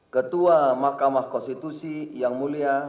ketua mahkamah konstitusi yang mulia